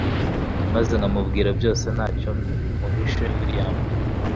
ndetse nkamubwira byose ntacyo muhishe william